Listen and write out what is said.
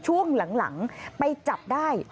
ช่วงหลังไปจับได้